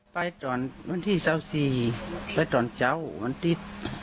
ไปตอนวันที่เสาสี่ไปตอนเจ้าวันติด